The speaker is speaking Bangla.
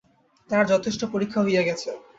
তাহার, যথেষ্ট পরীক্ষা হইয়া গেছে।